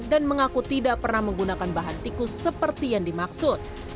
dan mengaku tidak pernah menggunakan bahan tikus seperti yang dimaksud